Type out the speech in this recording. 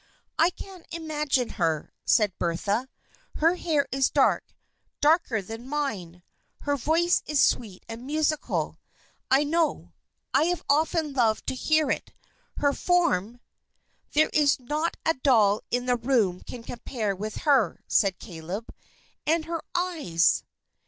"I can imagine her," said Bertha. "Her hair is dark, darker than mine. Her voice is sweet and musical, I know. I have often loved to hear it. Her form " "There's not a doll in all the room can compare with her," said Caleb. "And her eyes!"